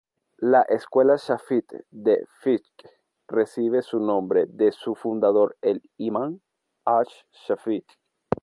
La escuela Shāfi‘ī de fiqh recibe su nombre de su fundador, el imán ash-Shāfi‘ī.